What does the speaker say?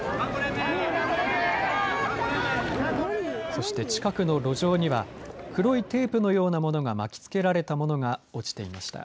そして近くの路上には黒いテープのようなものが巻きつけられたものが落ちていました。